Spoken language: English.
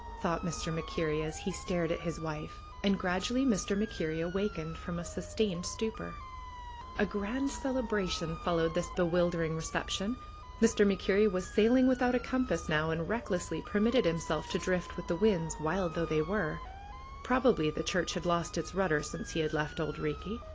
thought Mr. MacKerrie as he stared at his wife. And gradually Mr. MacKerrie awakened from a sus tained stupor. ANDY'S VISION 37 A grand celebration followed this bewildering recep tion. Mr. MacKerrie was sailing without a compass now and recklessly permitted himself to drift with the winds, wild though they were. Probably the church had lost its rudder since he had left Auld Eeekie.